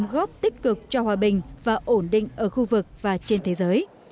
góp tích cực cho hòa bình và ổn định ở khu vực và trên thế giới